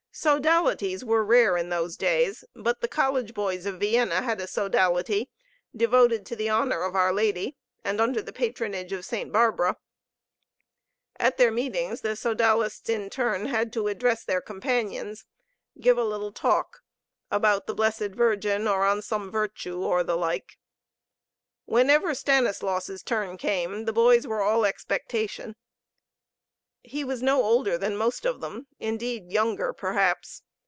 Sodalities were rare in those days; but the college boys of Vienna had a sodality, devoted to the honor of our Lady, and under the patronage of Saint Barbara. At their meetings; the sodalists in turn had to address their companions, give a little talk about the Blessed Virgin, or on some virtue, or the like. Whenever Stanislaus' turn came, the boys were all expectation. He was no older than most of them; indeed, younger perhaps.